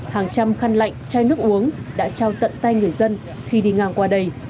hàng trăm khăn lạnh chai nước uống đã trao tận tay người dân khi đi ngang qua đây